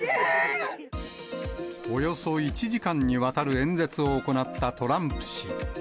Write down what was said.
およそ１時間にわたる演説を行ったトランプ氏。